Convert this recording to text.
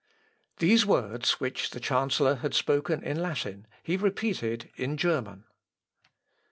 These words, which the chancellor had spoken in Latin, he repeated in German.